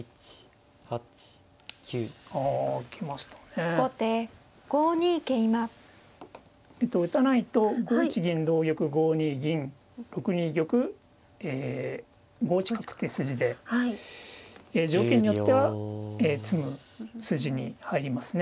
えと打たないと５一銀同玉５二銀６二玉５一角っていう筋で条件によっては詰む筋に入りますね。